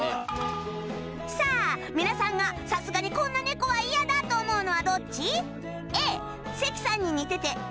さあ皆さんがさすがにこんな猫はイヤだ！と思うのはどっち？